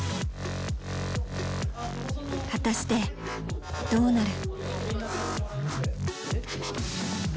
果たしてどうなる？